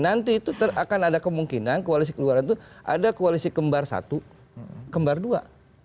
nanti itu akan ada kemungkinan koalisi keluaran itu ada koalisi kembar satu kembar dua